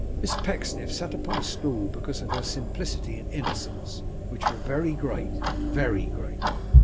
Miss Pecksniff sat upon a stool because of her simplicity and innocence, which were very great, very great.